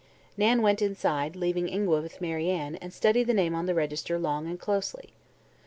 Nan went inside, leaving Ingua with Mary Ann, and studied the name on the register long and closely.